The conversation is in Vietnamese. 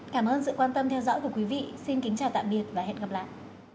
cảm ơn sự quan tâm theo dõi của quý vị xin kính chào tạm biệt và hẹn gặp lại